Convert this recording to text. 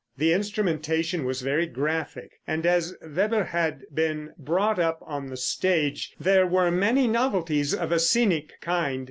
The instrumentation was very graphic, and as Weber had been brought up upon the stage, there were many novelties of a scenic kind.